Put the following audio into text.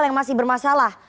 yang masih bermasalah